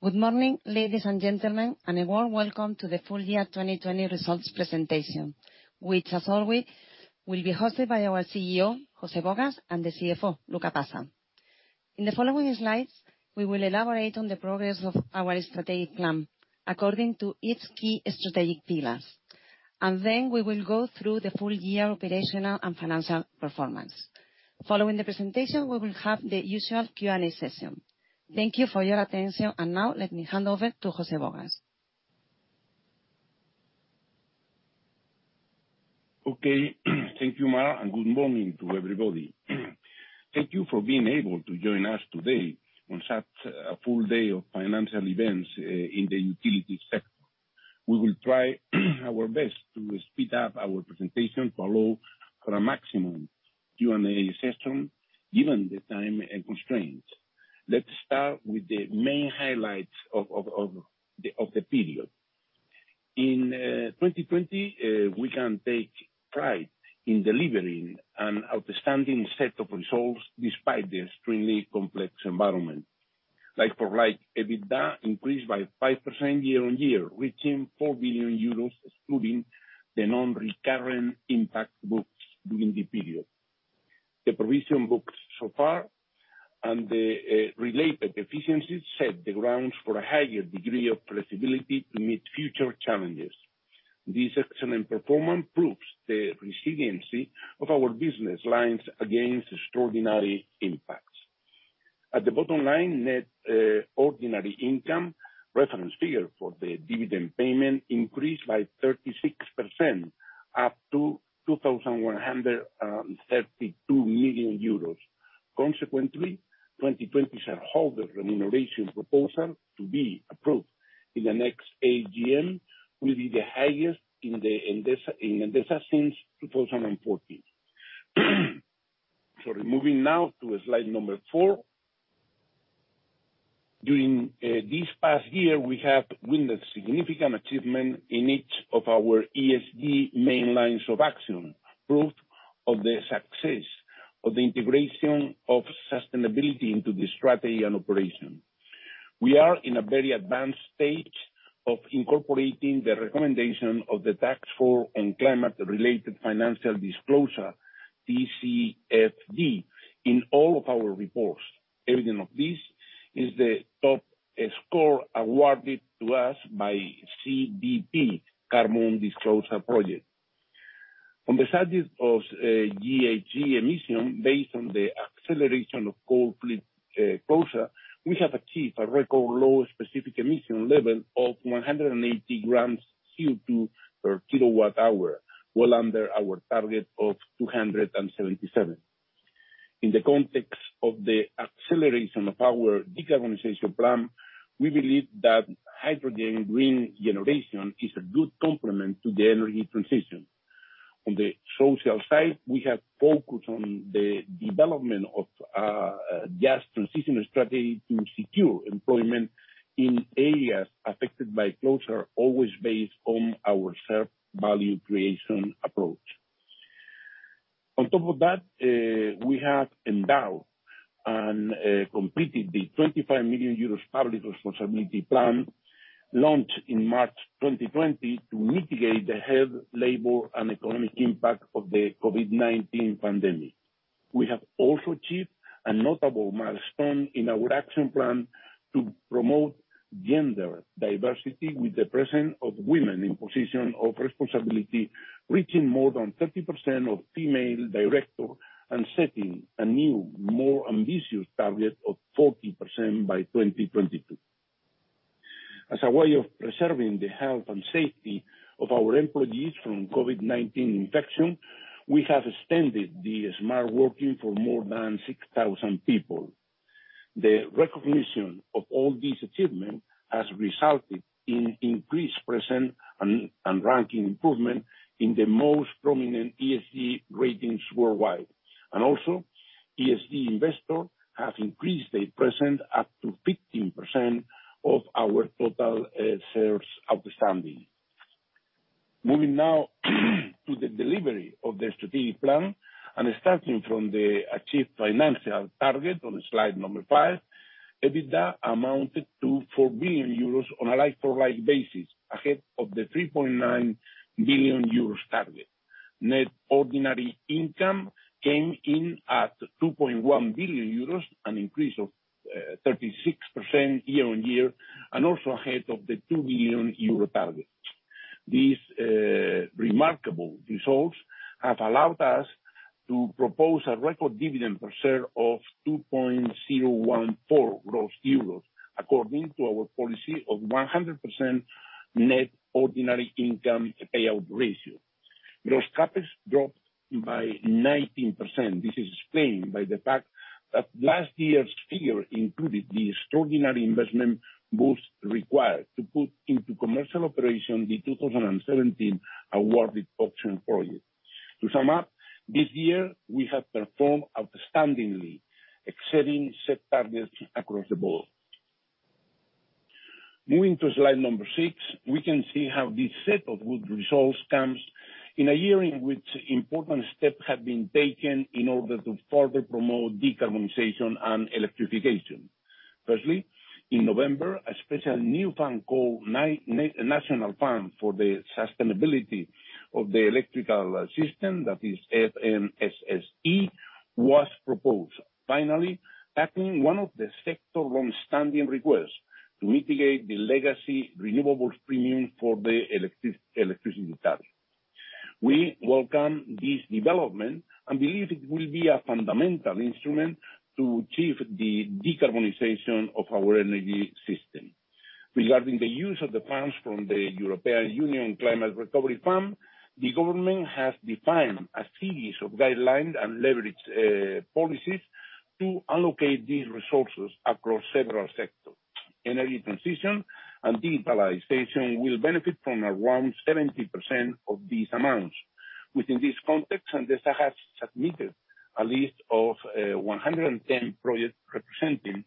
Good morning, ladies and gentlemen, and a warm welcome to the full year 2020 results presentation, which, as always, will be hosted by our CEO, José Bogas, and the CFO, Luca Passa. In the following slides, we will elaborate on the progress of our strategic plan according to its key strategic pillars, and then we will go through the full year operational and financial performance. Following the presentation, we will have the usual Q&A session. Thank you for your attention, and now let me hand over to José Gálvez. Okay, thank you, Mar, and good morning to everybody. Thank you for being able to join us today on such a full day of financial events in the utility sector. We will try our best to speed up our presentation to allow for a maximum Q&A session given the time constraints. Let's start with the main highlights of the period. In 2020, we can take pride in delivering an outstanding set of results despite the extremely complex environment. Like for like EBITDA increased by 5% year-on-year, reaching 4 billion euros, excluding the non-recurrent impacts booked during the period. The provisions booked so far and the related efficiencies set the grounds for a higher degree of flexibility to meet future challenges. This excellent performance proves the resiliency of our business lines against extraordinary impacts. At the bottom line, net ordinary income, reference figure for the dividend payment, increased by 36% up to 2,132 million euros. Consequently, 2020 shareholder remuneration proposal to be approved in the next AGM will be the highest in Endesa since 2014. Sorry, moving now to slide number four. During this past year, we have witnessed significant achievement in each of our ESG main lines of action, proof of the success of the integration of sustainability into the strategy and operation. We are in a very advanced stage of incorporating the recommendation of the Taskforce on Climate related Financial Disclosure, TCFD, in all of our reports. Evident of this is the top score awarded to us by CDP Carbon Disclosure Project. On the subject of GHG emission, based on the acceleration of coal fleet closure, we have achieved a record low specific emission level of 180 g CO2 per kWh, well under our target of 277. In the context of the acceleration of our decarbonization plan, we believe that hydrogen green generation is a good complement to the energy transition. On the social side, we have focused on the development of a just transition strategy to secure employment in areas affected by closure, always based on our self-value creation approach. On top of that, we have endowed and completed the 25 million euros public responsibility plan launched in March 2020 to mitigate the health, labor, and economic impact of the COVID-19 pandemic. We have also achieved a notable milestone in our action plan to promote gender diversity with the presence of women in positions of responsibility, reaching more than 30% of female directors and setting a new, more ambitious target of 40% by 2022. As a way of preserving the health and safety of our employees from COVID-19 infection, we have extended the smart working for more than 6,000 people. The recognition of all these achievements has resulted in increased presence and ranking improvement in the most prominent ESG ratings worldwide, and also ESG investors have increased their presence up to 15% of our total shares outstanding. Moving now to the delivery of the strategic plan, and starting from the achieved financial target on slide number five, EBITDA amounted to 4 billion euros on a like-for-like basis ahead of the 3.9 billion euros target. Net Ordinary Income came in at 2.1 billion euros, an increase of 36% year-on-year, and also ahead of the 2 billion euro target. These remarkable results have allowed us to propose a record dividend per share of 2.014 gross EUR, according to our policy of 100% Net Ordinary Income payout ratio. Gross CapEx dropped by 19%. This is explained by the fact that last year's figure included the extraordinary investment boost required to put into commercial operation the 2017 awarded auction project. To sum up, this year we have performed outstandingly, exceeding set targets across the board. Moving to slide number six, we can see how this set of good results comes in a year in which important steps have been taken in order to further promote decarbonization and electrification. Firstly, in November, a special new fund called National Fund for the Sustainability of the Electrical System, that is FNSSE, was proposed. Finally, tackling one of the sector longstanding requests to mitigate the legacy renewables premium for the electricity tariff. We welcome this development and believe it will be a fundamental instrument to achieve the decarbonization of our energy system. Regarding the use of the funds from the European Union Climate Recovery Fund, the government has defined a series of guidelines and leverage policies to allocate these resources across several sectors. Energy transition and digitalization will benefit from around 70% of these amounts. Within this context, Endesa has submitted a list of 110 projects representing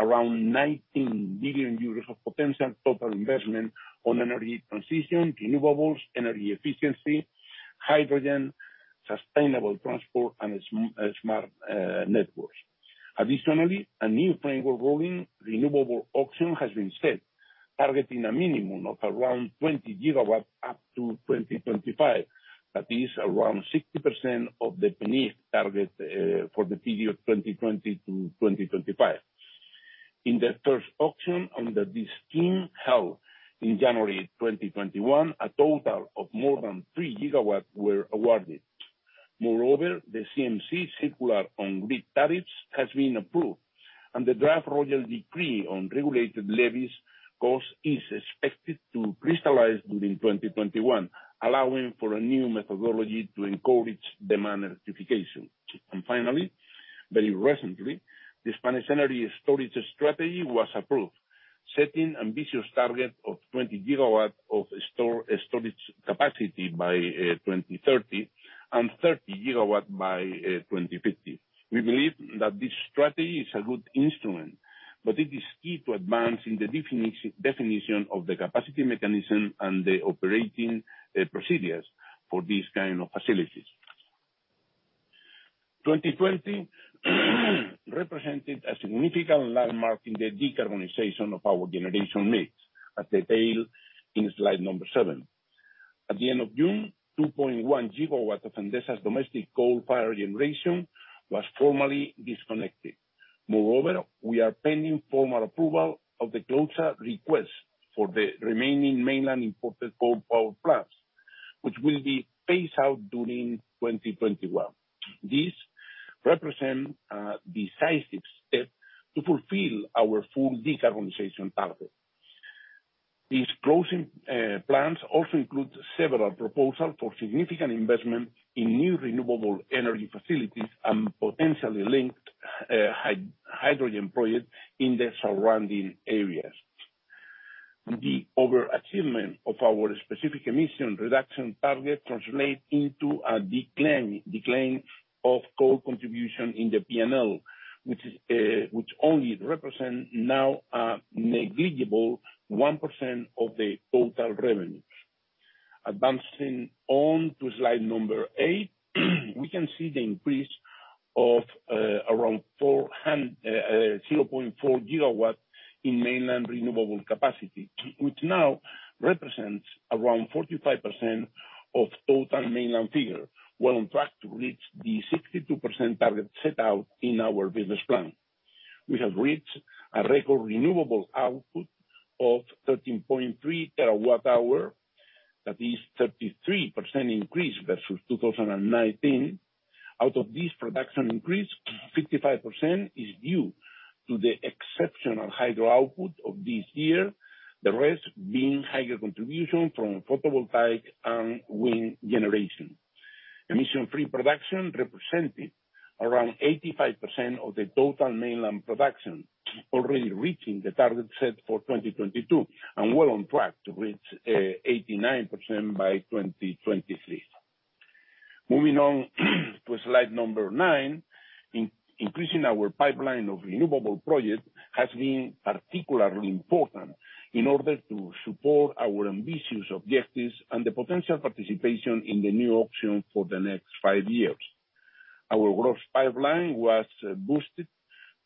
around 19 billion euros of potential total investment on energy transition, renewables, energy efficiency, hydrogen, sustainable transport, and smart networks. Additionally, a new framework ruling renewable auction has been set, targeting a minimum of around 20 GW up to 2025. That is around 60% of the PNIEC target for the period 2020 to 2025. In the first auction under this scheme held in January 2021, a total of more than three GW were awarded. Moreover, the CNMC circular on grid tariffs has been approved, and the draft royal decree on regulated levies cost is expected to crystallize during 2021, allowing for a new methodology to encourage demand electrification. Finally, very recently, the Spanish energy storage strategy was approved, setting ambitious targets of 20 GW of storage capacity by 2030 and 30 GW by 2050. We believe that this strategy is a good instrument, but it is key to advance in the definition of the capacity mechanism and the operating procedures for these kinds of facilities. 2020 represented a significant landmark in the decarbonization of our generation mix, as detailed in slide number seven. At the end of June, 2.1 GW of Endesa's domestic coal-fired generation was formally disconnected. Moreover, we are pending formal approval of the closure request for the remaining mainland imported coal power plants, which will be phased out during 2021. This represents a decisive step to fulfill our full decarbonization target. These closing plans also include several proposals for significant investment in new renewable energy facilities and potentially linked hydrogen projects in the surrounding areas. The overachievement of our specific emission reduction target translates into a decline of coal contribution in the P&L, which only represents now a negligible 1% of the total revenues. Advancing on to slide number eight, we can see the increase of around 0.4 GW in mainland renewable capacity, which now represents around 45% of total mainland figure, well on track to reach the 62% target set out in our business plan. We have reached a record renewable output of 13.3 TWh, that is a 33% increase versus 2019. Out of this production increase, 55% is due to the exceptional hydro output of this year, the rest being hydro contribution from photovoltaic and wind generation. Emission-free production represented around 85% of the total mainland production, already reaching the target set for 2022 and well on track to reach 89% by 2023. Moving on to slide number nine, increasing our pipeline of renewable projects has been particularly important in order to support our ambitious objectives and the potential participation in the new auction for the next five years. Our gross pipeline was boosted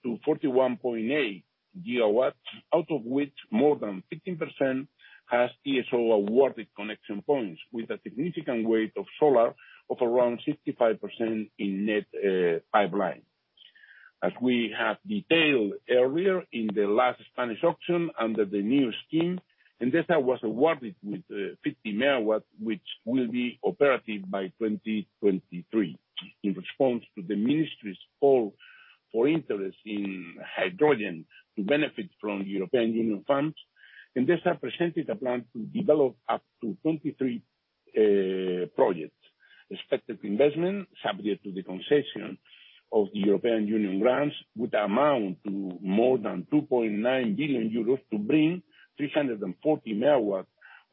to 41.8 GW, out of which more than 15% has TSO awarded connection points with a significant weight of solar of around 65% in net pipeline. As we have detailed earlier in the last Spanish auction, under the new scheme, Endesa was awarded with 50 MW, which will be operative by 2023. In response to the ministry's call for interest in hydrogen to benefit from European Union funds, Endesa presented a plan to develop up to 23 projects. Expected investment subject to the concession of the European Union grants would amount to more than 2.9 billion euros to bring 340 MW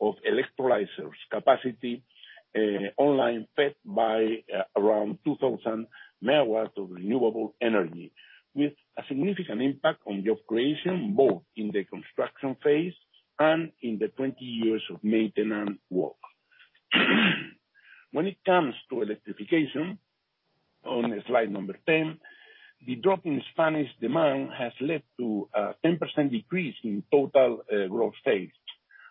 of electrolyzer capacity online fed by around 2,000 MW of renewable energy, with a significant impact on job creation both in the construction phase and in the 20 years of maintenance work. When it comes to electrification, on slide number 10, the drop in Spanish demand has led to a 10% decrease in total gross sales,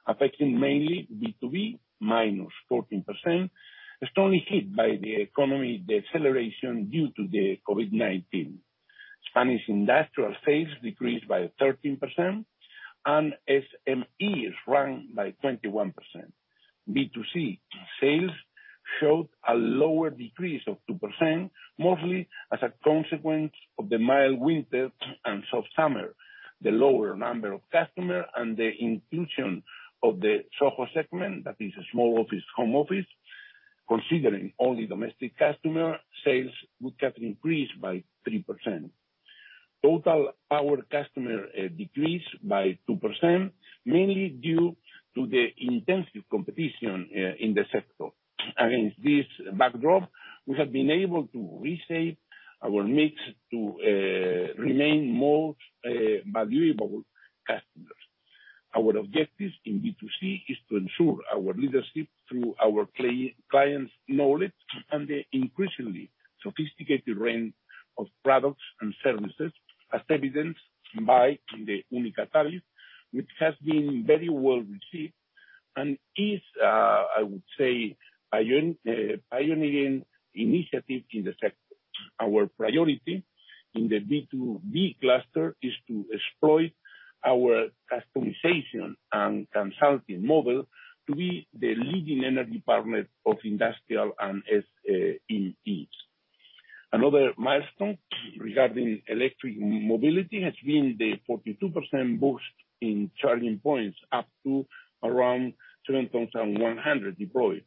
affecting mainly B2B, minus 14%, strongly hit by the economy's deceleration due to the COVID-19. Spanish industrial sales decreased by 13%, and SMEs down by 21%. B2C sales showed a lower decrease of 2%, mostly as a consequence of the mild winter and soft summer. The lower number of customers and the inclusion of the SOHO segment, that is a small office/home office, considering only domestic customers, sales would have increased by 3%. Total power customers decreased by 2%, mainly due to the intensive competition in the sector. Against this backdrop, we have been able to reshape our mix to retain more valuable customers. Our objectives in B2C is to ensure our leadership through our clients' knowledge and the increasingly sophisticated range of products and services, as evidenced by the UNICA tariff, which has been very well received and is, I would say, a pioneering initiative in the sector. Our priority in the B2B cluster is to exploit our customization and consulting model to be the leading energy partner of industrial and SMEs. Another milestone regarding electric mobility has been the 42% boost in charging points up to around 7,100 deployed.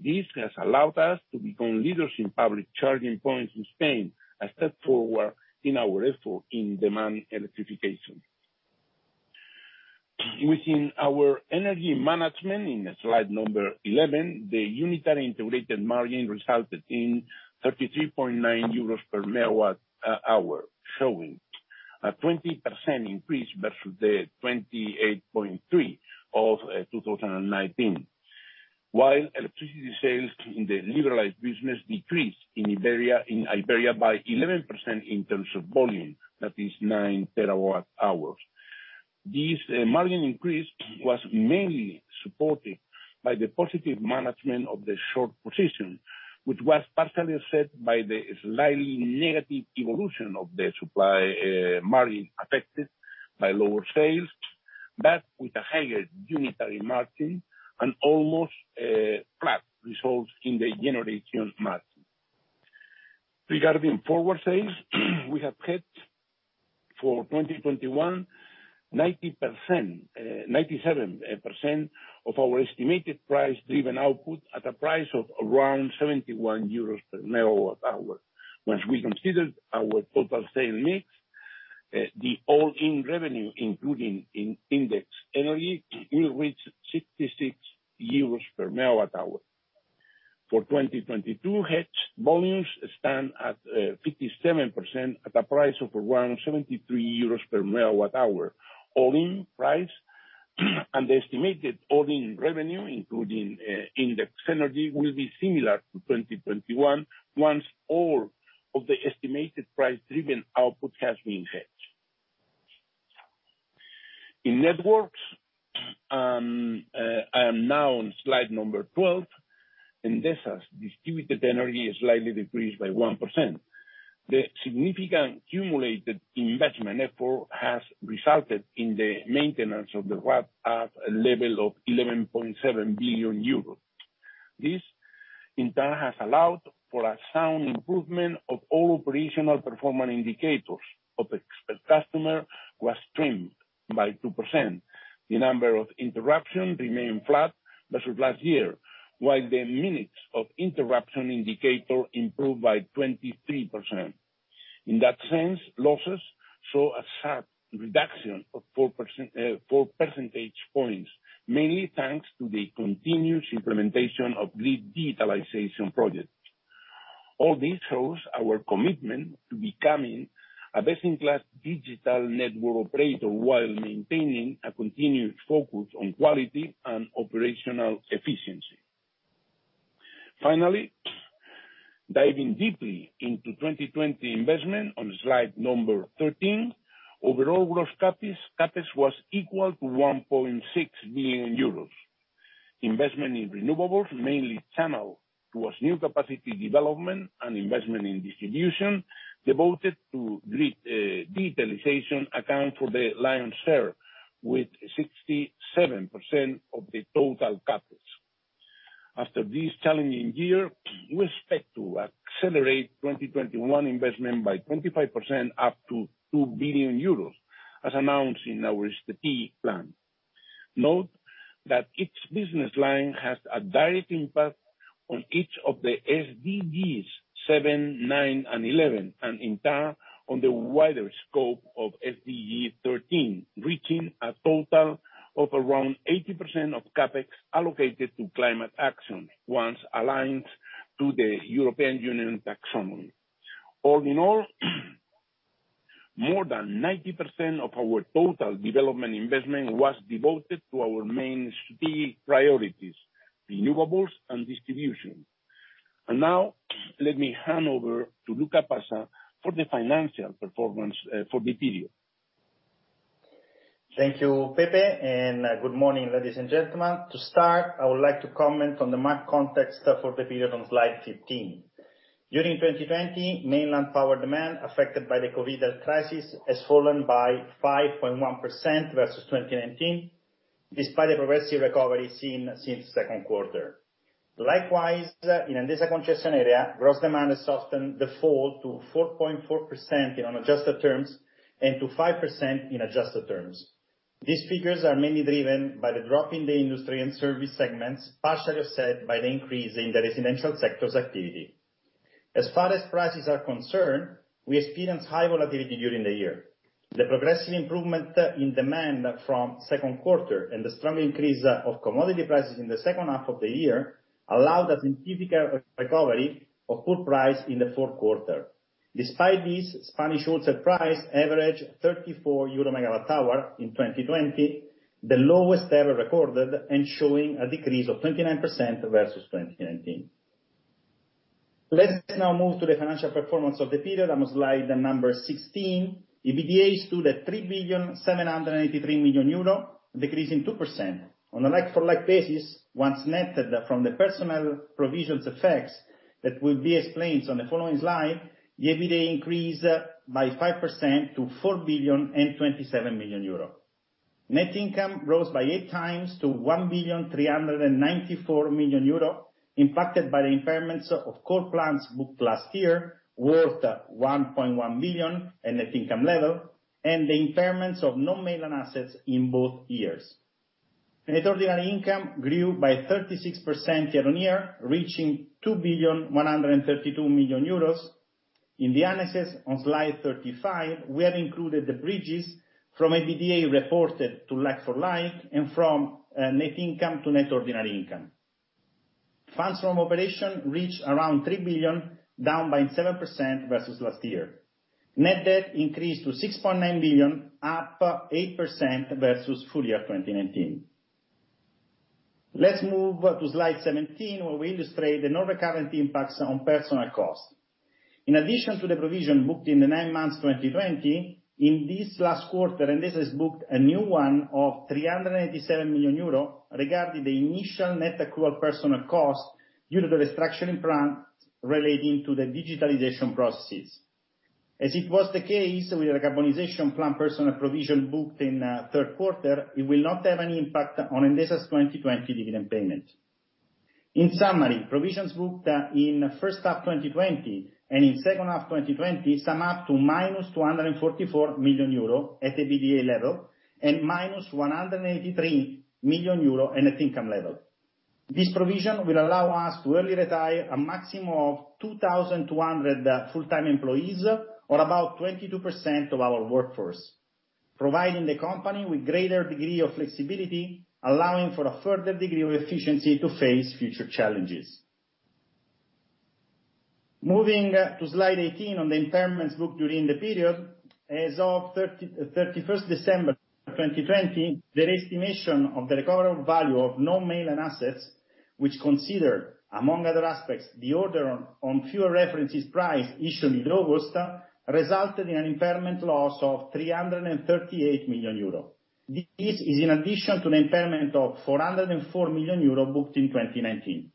This has allowed us to become leaders in public charging points in Spain, a step forward in our effort in demand electrification. Within our energy management, in slide number 11, the unitary integrated margin resulted in 33.9 euros per MWh, showing a 20% increase versus the 28.3 of 2019, while electricity sales in the liberalized business decreased in Iberia by 11% in terms of volume, that is nine TWh. This margin increase was mainly supported by the positive management of the short position, which was partially set by the slightly negative evolution of the supply margin affected by lower sales, but with a higher unitary margin and almost flat results in the generation margin. Regarding forward sales, we have had for 2021, 97% of our estimated price-driven output at a price of around 71 euros per MWh. Once we considered our total sale mix, the all-in revenue, including indexed energy, will reach 66 euros per MWh. For 2022, hedged volumes stand at 57% at a price of around 73 euros per MWh all-in price, and the estimated all-in revenue, including indexed energy, will be similar to 2021 once all of the estimated price-driven output has been hedged. In networks, and I am now on slide number 12, Endesa's distributed energy has slightly decreased by 1%. The significant cumulated investment effort has resulted in the maintenance of the RAB at a level of 11.7 billion euros. This, in turn, has allowed for a sound improvement of all operational performance indicators. The SAIFI has improved by 2%. The number of interruptions remained flat versus last year, while the minutes of interruption indicator improved by 23%. In that sense, losses saw a sharp reduction of 4 percentage points, mainly thanks to the continuous implementation of grid digitalization projects. All this shows our commitment to becoming a best-in-class digital network operator while maintaining a continued focus on quality and operational efficiency. Finally, diving deeply into 2020 investment on slide number 13, overall gross Capex was equal to 1.6 billion euros. Investment in renewables, mainly channeled towards new capacity development and investment in distribution, devoted to grid digitalization account for the lion's share, with 67% of the total Capex. After this challenging year, we expect to accelerate 2021 investment by 25% up to 2 billion euros, as announced in our strategic plan. Note that each business line has a direct impact on each of the SDGs 7, 9, and 11, and in turn, on the wider scope of SDG 13, reaching a total of around 80% of Capex allocated to climate action once aligned to the European Union taxonomy. All in all, more than 90% of our total development investment was devoted to our main strategic priorities, renewables and distribution. And now, let me hand over to Luca Passa for the financial performance for the period. Thank you, Pepe, and good morning, ladies and gentlemen. To start, I would like to comment on the market context for the period on slide 15. During 2020, mainland power demand affected by the COVID crisis has fallen by 5.1% versus 2019, despite the progressive recovery seen since the Q2. Likewise, in Endesa concession area, gross demand has softened the fall to 4.4% in unadjusted terms and to 5% in adjusted terms. These figures are mainly driven by the drop in the industry and service segments, partially offset by the increase in the residential sector's activity. As far as prices are concerned, we experienced high volatility during the year. The progressive improvement in demand from the Q2 and the strong increase of commodity prices in the second half of the year allowed a significant recovery of power price in the Q4. Despite this, Spanish wholesale price averaged 34 euro MWh in 2020, the lowest ever recorded, and showing a decrease of 29% versus 2019. Let's now move to the financial performance of the period. I'm on slide number 16. EBITDA stood at 3.783 million euro, decreasing 2%. On a like-for-like basis, once netted from the non-recurring provisions effects that will be explained on the following slide, the EBITDA increased by 5% to 4.027 million euro. Net income rose by eight times to 1.394 million euro, impacted by the impairments of coal plants booked last year, worth 1.1 billion at net income level, and the impairments of non-mainland assets in both years. Net ordinary income grew by 36% year-on-year, reaching 2.132 million euros. In the analysis on slide 35, we have included the bridges from EBITDA reported to like-for-like and from net income to net ordinary income. Funds from operations reached around 3 billion, down by 7% versus last year. Net debt increased to 6.9 billion, up 8% versus full year 2019. Let's move to slide 17, where we illustrate the non-recurrent impacts on personnel cost. In addition to the provision booked in the nine months 2020, in this last quarter, Endesa has booked a new one of 387 million euro regarding the initial net accrual personnel cost due to the restructuring plan relating to the digitalization processes. As it was the case with the decarbonization plan personnel provision booked in the Q3, it will not have any impact on Endesa's 2020 dividend payment. In summary, provisions booked in the first half 2020 and in the second half 2020 sum up to 244 million euro at EBITDA level and 183 million euro at net income level. This provision will allow us to early retire a maximum of 2,200 full-time employees, or about 22% of our workforce, providing the company with a greater degree of flexibility, allowing for a further degree of efficiency to face future challenges. Moving to slide 18 on the impairments booked during the period, as of 31st December 2020, the re-estimation of the recoverable value of non-mainland assets, which considered, among other aspects, the order on forward reference price issued in August, resulted in an impairment loss of 338 million euro. This is in addition to an impairment of 404 million euro booked in 2019.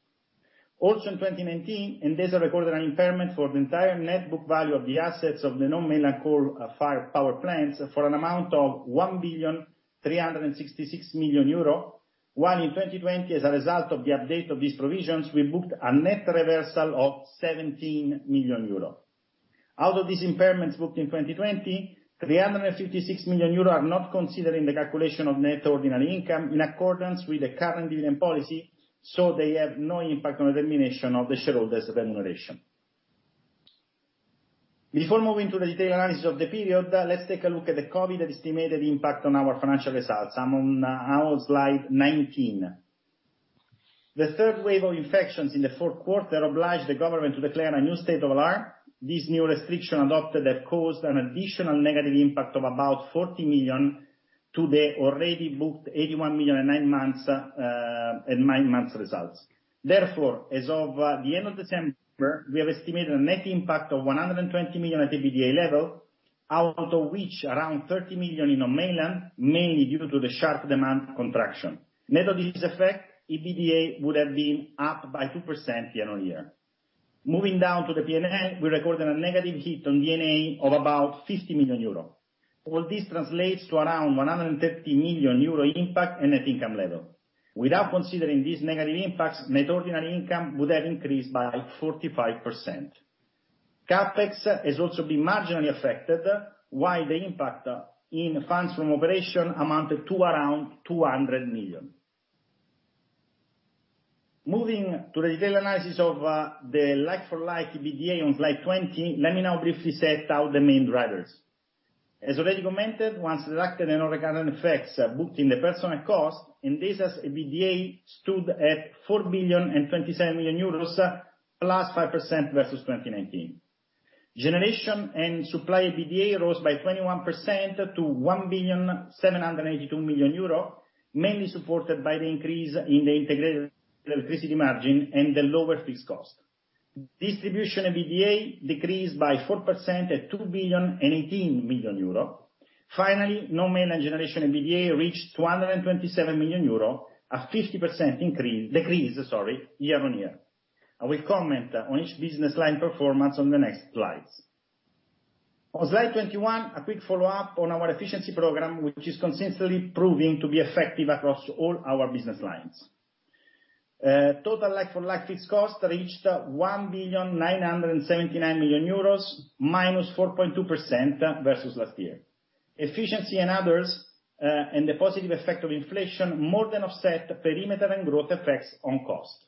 Also in 2019, Endesa recorded an impairment for the entire net book value of the assets of the non-mainland coal-fired power plants for an amount of 1.366 million euro, while in 2020, as a result of the update of these provisions, we booked a net reversal of 17 million euro. Out of these impairments booked in 2020, 356 million euro are not considered in the calculation of net ordinary income in accordance with the current dividend policy, so they have no impact on the termination of the shareholders' remuneration. Before moving to the detailed analysis of the period, let's take a look at the COVID estimated impact on our financial results. I'm on our slide 19. The third wave of infections in the Q4 obliged the government to declare a new state of alarm. This new restriction adopted has caused an additional negative impact of about 40 million to the already booked 81 million and nine months results. Therefore, as of the end of December, we have estimated a net impact of 120 million at EBITDA level, out of which around 30 million in non-mainland, mainly due to the sharp demand contraction. Net of this effect, EBITDA would have been up by 2% year-on-year. Moving down to the P&L, we recorded a negative hit on D&A of about 50 million euro. All this translates to around 130 million euro impact at net income level. Without considering these negative impacts, net ordinary income would have increased by 45%. Capex has also been marginally affected, while the impact in funds from operations amounted to around 200 million. Moving to the detailed analysis of the like-for-like EBITDA on slide 20, let me now briefly set out the main drivers. As already commented, once deducted and all recurrent effects booked in the personnel cost, Endesa's EBITDA stood at 4.27 million euros plus 5% versus 2019. Generation and supply EBITDA rose by 21% to 1.782 million euro, mainly supported by the increase in the integrated electricity margin and the lower fixed cost. Distribution EBITDA decreased by 4% at 2.18 million euro. Finally, non-mainland generation EBITDA reached 227 million euro, a 50% decrease year-on-year. I will comment on each business line performance on the next slides. On slide 21, a quick follow-up on our efficiency program, which is consistently proving to be effective across all our business lines. Total like-for-like fixed cost reached 1.979 million euros minus 4.2% versus last year. Efficiency and others and the positive effect of inflation more than offset perimeter and growth effects on cost.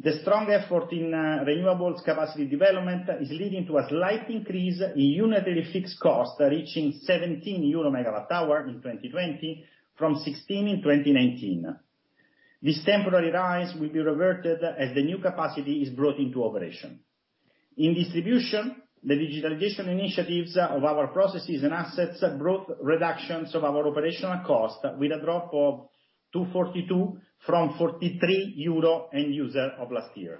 The strong effort in renewables capacity development is leading to a slight increase in unitary fixed cost reaching 17 euro MWh in 2020 from 16 in 2019. This temporary rise will be reverted as the new capacity is brought into operation. In distribution, the digitalization initiatives of our processes and assets brought reductions of our operational cost with a drop of 24.2 from 43 euro per end user of last year.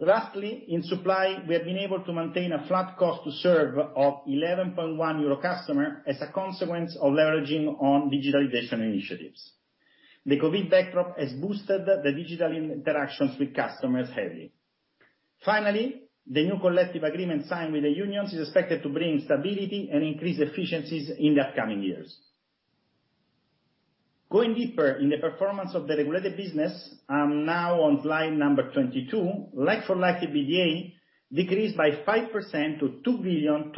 Lastly, in supply, we have been able to maintain a flat cost to serve of 11.1 euro per customer as a consequence of leveraging on digitalization initiatives. The COVID backdrop has boosted the digital interactions with customers heavily. Finally, the new collective agreement signed with the unions is expected to bring stability and increase efficiencies in the upcoming years. Going deeper in the performance of the regulated business, I'm now on slide number 22. Like-for-like EBITDA decreased by 5% to 2.245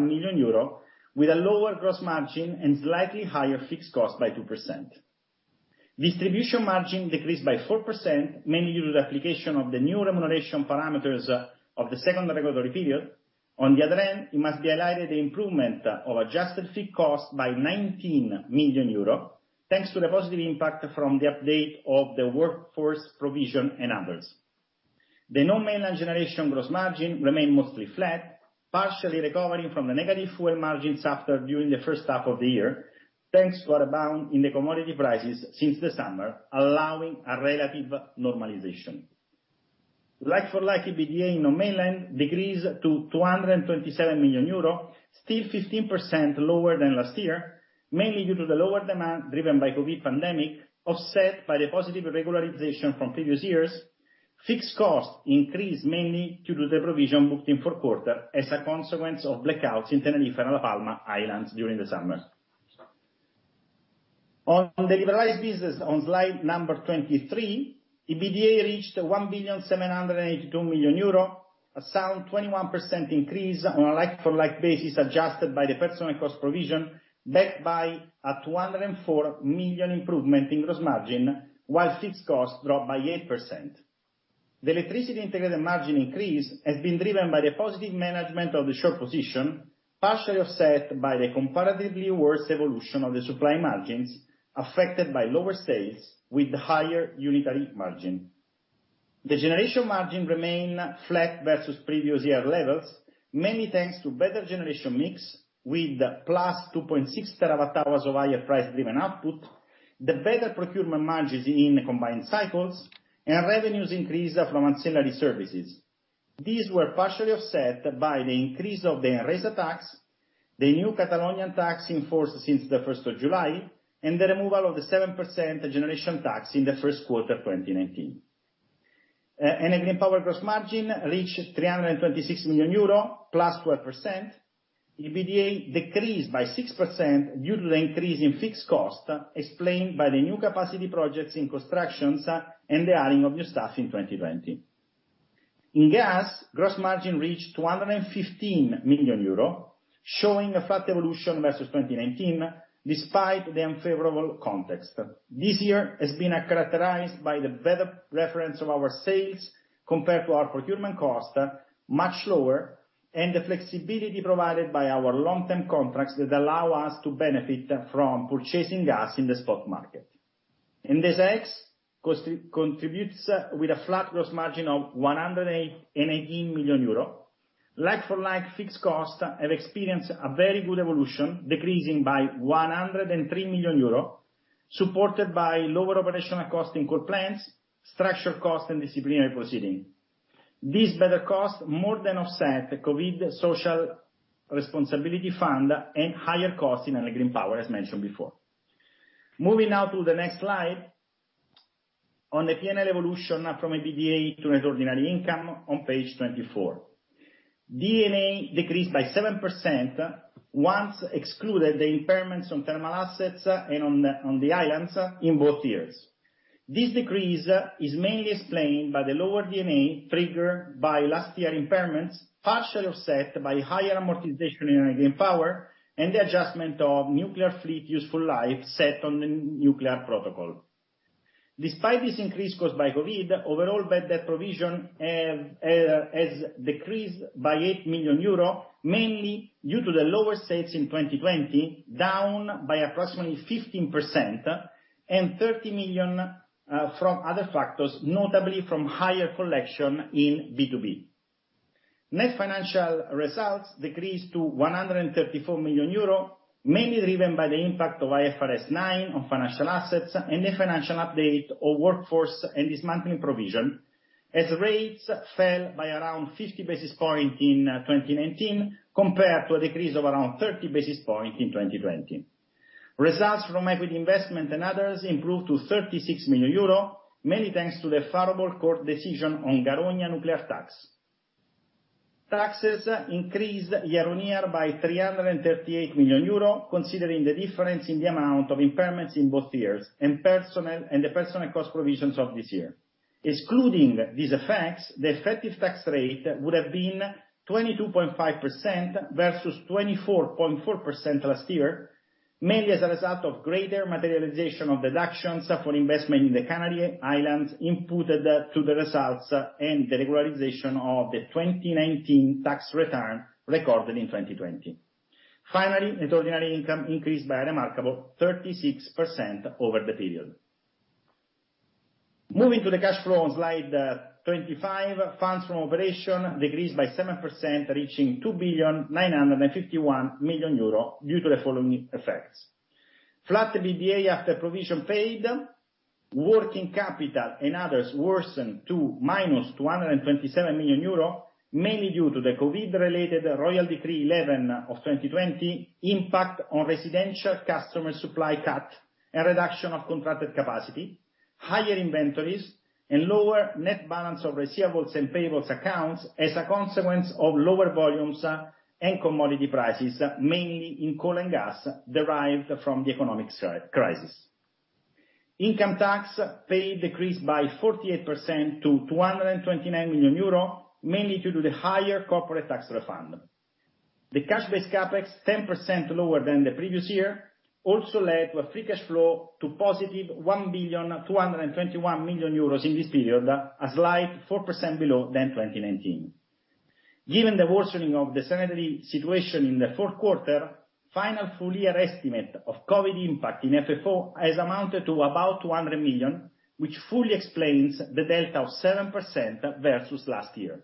million euro with a lower gross margin and slightly higher fixed cost by 2%. Distribution margin decreased by 4%, mainly due to the application of the new remuneration parameters of the second regulatory period. On the other end, it must be highlighted the improvement of adjusted fixed cost by 19 million euro, thanks to the positive impact from the update of the workforce provision and others. The non-mainland generation gross margin remained mostly flat, partially recovering from the negative fuel margins during the first half of the year, thanks to a rebound in the commodity prices since the summer, allowing a relative normalization. Like-for-like EBITDA in non-mainland decreased to 227 million euro, still 15% lower than last year, mainly due to the lower demand driven by the COVID pandemic, offset by the positive regularization from previous years. Fixed cost increased mainly due to the provision booked in the Q4 as a consequence of blackouts in Tenerife and La Palma Islands during the summer. On the liberalized business, on slide number 23, EBITDA reached 1.782 million euro, a sound 21% increase on a like-for-like basis adjusted by the personnel cost provision, backed by a 204 million improvement in gross margin, while fixed cost dropped by 8%. The electricity integrated margin increase has been driven by the positive management of the short position, partially offset by the comparatively worse evolution of the supply margins affected by lower sales with the higher unitary margin. The generation margin remained flat versus previous year levels, mainly thanks to better generation mix with plus 2.6 TWh of higher price-driven output, the better procurement margins in combined cycles, and revenues increased from ancillary services. These were partially offset by the increase of the ENRESA tax, the new Catalan tax enforced since the 1st of July, and the removal of the 7% generation tax in the Q1 2019. Energy and power gross margin reached 326 million euro plus 12%. EBITDA decreased by 6% due to the increase in fixed cost explained by the new capacity projects in construction and the hiring of new staff in 2020. In gas, gross margin reached 215 million euro, showing a flat evolution versus 2019 despite the unfavorable context. This year has been characterized by the better reference of our sales compared to our procurement cost, much lower, and the flexibility provided by our long-term contracts that allow us to benefit from purchasing gas in the spot market. Endesa X contributes with a flat gross margin of 118 million euro. Like-for-like fixed costs have experienced a very good evolution, decreasing by 103 million euro, supported by lower operational cost in coal plants, structural cost, and disciplinary proceedings. This better cost more than offset the COVID social responsibility fund and higher cost in Energy and power, as mentioned before. Moving now to the next slide on the P&L evolution from EBITDA to net ordinary income on page 24. D&A decreased by 7% once excluded the impairments on thermal assets and on the islands in both years. This decrease is mainly explained by the lower D&A triggered by last year's impairments, partially offset by higher amortization in Energy and power, and the adjustment of nuclear fleet useful life set on the nuclear protocol. Despite this increase caused by COVID, overall bad debt provision has decreased by 8 million euro, mainly due to the lower sales in 2020, down by approximately 15%, and 30 million from other factors, notably from higher collection in B2B. Net financial results decreased to 134 million euro, mainly driven by the impact of IFRS 9 on financial assets and the financial update of workforce and dismantling provision, as rates fell by around 50 basis points in 2019 compared to a decrease of around 30 basis points in 2020. Results from equity investment and others improved to 36 million euro, mainly thanks to the favorable court decision on Garoña nuclear tax. Taxes increased year-on-year by 338 million euro, considering the difference in the amount of impairments in both years and the personal cost provisions of this year. Excluding these effects, the effective tax rate would have been 22.5% versus 24.4% last year, mainly as a result of greater materialization of deductions for investment in the Canary Islands inputted to the results and the regularization of the 2019 tax return recorded in 2020. Finally, net ordinary income increased by a remarkable 36% over the period. Moving to the cash flow on slide 25, funds from operations decreased by 7%, reaching 2.951 million euro due to the following effects. Flat EBITDA after provision paid, working capital and others worsened to minus 227 million euro, mainly due to the COVID-related Royal Decree 11 of 2020 impact on residential customer supply cut and reduction of contracted capacity, higher inventories, and lower net balance of receivables and payables accounts as a consequence of lower volumes and commodity prices, mainly in coal and gas derived from the economic crisis. Income tax paid decreased by 48% to 229 million euro, mainly due to the higher corporate tax refund. The cash-based Capex, 10% lower than the previous year, also led to a free cash flow to positive 1.221 million euros in this period, a slight 4% below than 2019. Given the worsening of the sanitary situation in the Q4, final full-year estimate of COVID impact in FFO has amounted to about 200 million, which fully explains the delta of 7% versus last year.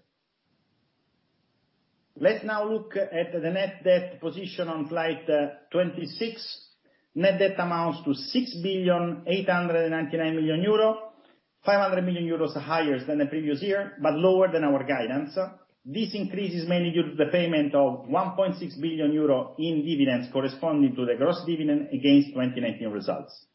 Let's now look at the net debt position on slide 26. Net debt amounts to 6,899 million euro, 500 million euros higher than the previous year, but lower than our guidance. This increase is mainly due to the payment of 1.6 billion euro in dividends corresponding to the gross dividend against 2019 results.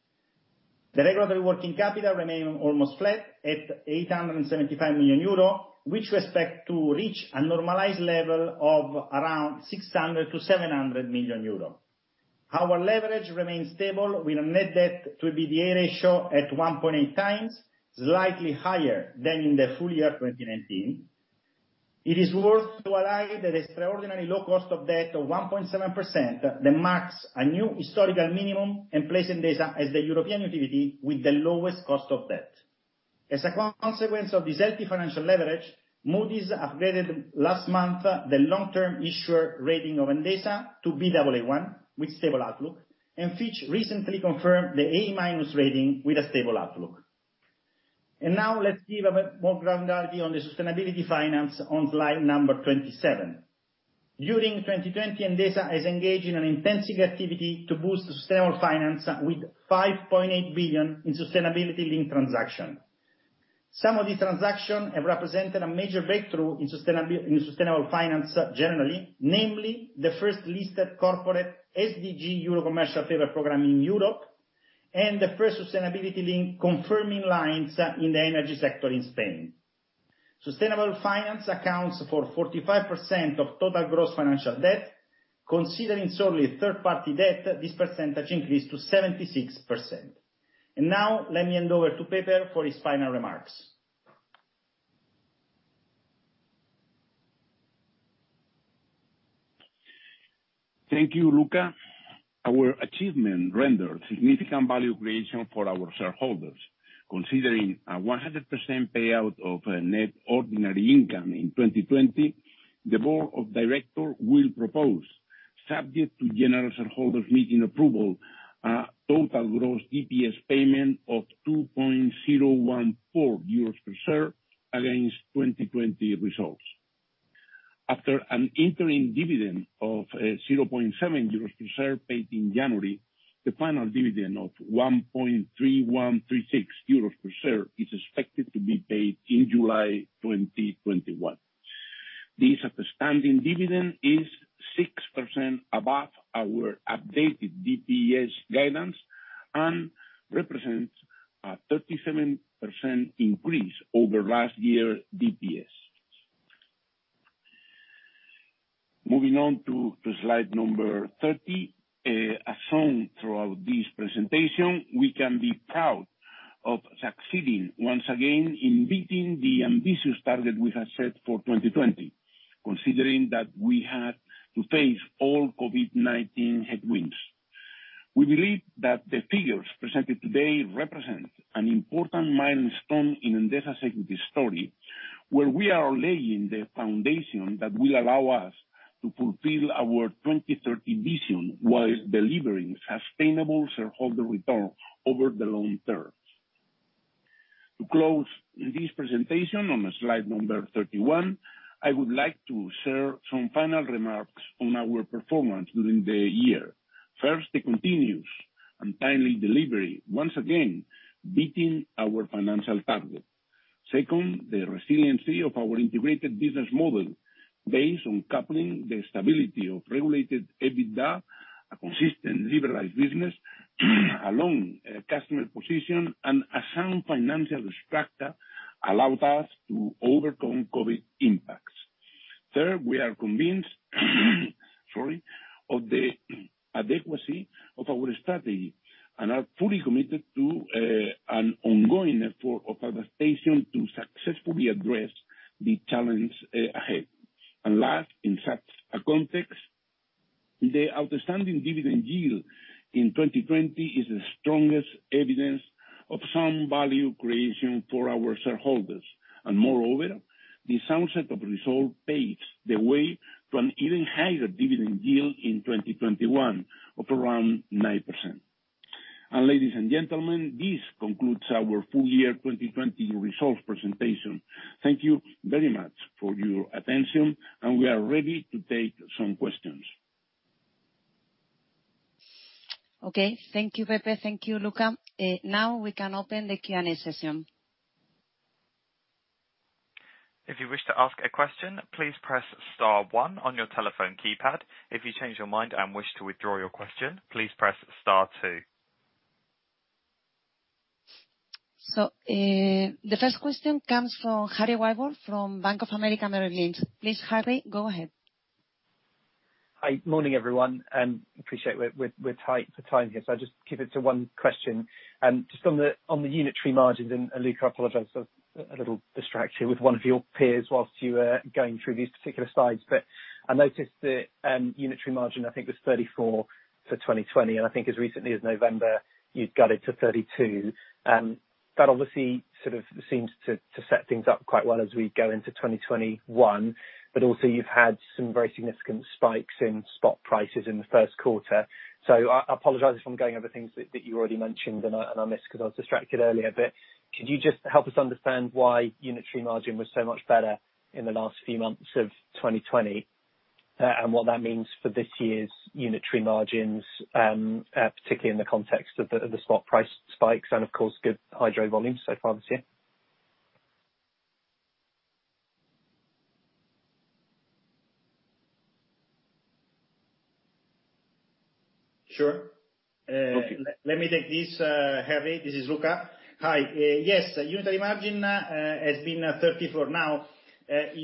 The regulatory working capital remained almost flat at 875 million euro, with respect to reaching a normalized level of around 600-700 million euro. Our leverage remains stable with a net debt to EBITDA ratio at 1.8 times, slightly higher than in the full year 2019. It is worth highlighting that the extraordinarily low cost of debt of 1.7% that marks a new historical minimum and places Endesa as the European utility with the lowest cost of debt. As a consequence of this healthy financial leverage, Moody's upgraded last month the long-term issuer rating of Endesa to Baa1, with stable outlook, and Fitch recently confirmed the A-minus rating with a stable outlook. Now let's give a bit more granularity on the sustainable finance on slide number 27. During 2020, Endesa has engaged in an intensive activity to boost sustainable finance with 5.8 billion in sustainability-linked transactions. Some of these transactions have represented a major breakthrough in sustainable finance generally, namely the first listed corporate SDG Euro Commercial Paper Program in Europe and the first sustainability-linked revolving lines in the energy sector in Spain. Sustainable finance accounts for 45% of total gross financial debt. Considering solely third-party debt, this percentage increased to 76%. Now let me hand over to Pepe for his final remarks. Thank you, Luca. Our achievement rendered significant value creation for our shareholders. Considering a 100% payout of net ordinary income in 2020, the Board of Directors will propose, subject to general shareholders' meeting approval, a total gross DPS payment of 2.014 euros per share against 2020 results. After an interim dividend of 0.70 euros per share paid in January, the final dividend of 1.3136 euros per share is expected to be paid in July 2021. This outstanding dividend is 6% above our updated DPS guidance and represents a 37% increase over last year's DPS. Moving on to slide number 30. As shown throughout this presentation, we can be proud of succeeding once again in meeting the ambitious target we have set for 2020, considering that we had to face all COVID-19 headwinds. We believe that the figures presented today represent an important milestone in Endesa's equity story, where we are laying the foundation that will allow us to fulfill our 2030 vision while delivering sustainable shareholder return over the long term. To close this presentation on slide number 31, I would like to share some final remarks on our performance during the year. First, the continuous and timely delivery, once again beating our financial target. Second, the resiliency of our integrated business model based on coupling the stability of regulated EBITDA, a consistent liberalized business, along customer position, and a sound financial structure allowed us to overcome COVID impacts. Third, we are convinced of the adequacy of our strategy and are fully committed to an ongoing effort of adaptation to successfully address the challenges ahead. And last, in such a context, the outstanding dividend yield in 2020 is the strongest evidence of sound value creation for our shareholders. And moreover, the sound set of results paves the way to an even higher dividend yield in 2021 of around 9%. And ladies and gentlemen, this concludes our full-year 2020 results presentation. Thank you very much for your attention, and we are ready to take some questions. Okay. Thank you, Pepe. Thank you, Luca. Now we can open the Q&A session. If you wish to ask a question, please press Star 1 on your telephone keypad. If you change your mind and wish to withdraw your question, please press Star 2. So the first question comes from Harry Wyburd from Bank of America. Please, Harry, go ahead. Hi. Morning, everyone. And appreciate we're tight for time here, so I'll just keep it to one question. Just on the unitary margins, and Luca, I apologize for a little distraction with one of your peers while you were going through these particular slides, but I noticed the unitary margin, I think, was 34 for 2020, and I think as recently as November, you'd got it to 32. That obviously sort of seems to set things up quite well as we go into 2021, but also you've had some very significant spikes in spot prices in the Q1. So I apologize if I'm going over things that you already mentioned and I missed because I was distracted earlier, but could you just help us understand why unitary margin was so much better in the last few months of 2020 and what that means for this year's unitary margins, particularly in the context of the spot price spikes and, of course, good hydro volumes so far this year? Sure. Let me take this, Harry. This is Luca. Hi. Yes, unitary margin has been 34 now. As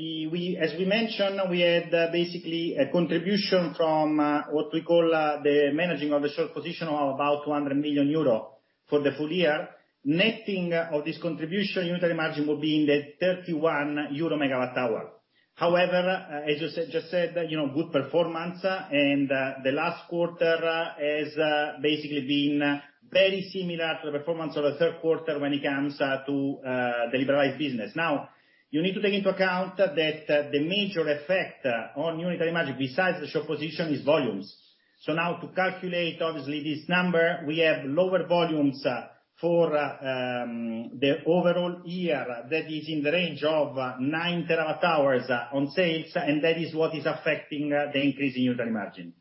we mentioned, we had basically a contribution from what we call the managing of the short position of about 200 million euro for the full year. Netting of this contribution, unitary margin will be in the 31 euro per MWh. However, as you just said, good performance, and the last quarter has basically been very similar to the performance of the Q3 when it comes to the liberalized business. Now, you need to take into account that the major effect on unitary margin, besides the short position, is volumes. So now to calculate, obviously, this number, we have lower volumes for the overall year that is in the range of nine TWh on sales, and that is what is affecting the increase in unitary margin.